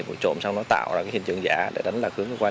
là cháu nội của bà tòn là thủ phạm